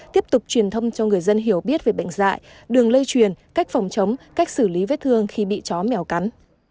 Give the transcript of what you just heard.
tiếp tục truyền thông cho người dân hiểu biết về bệnh dại đường lây truyền cách phòng chống cách xử lý vết thương khi bị chó mèo cắn